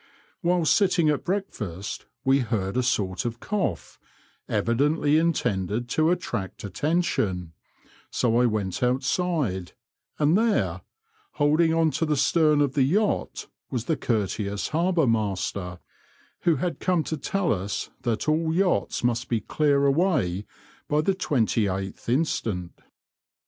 Whilst sitting at breakfast we heard a sort of cough, evidently intended to attract attention ; so I went outside, and there, holding on to the stern of the yacht, was the courteous Harbour Master, who had come to tell us that all yachts must be clear away by the 28th inst.